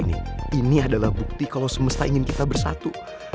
ini adalah bukti kalau semesta ingin kita bersatu